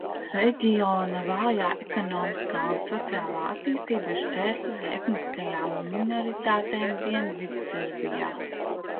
Reģiona vājā ekonomiskā un sociālā attīstība ir šķērslis etniskajām minoritātēm Dienvidserbijā.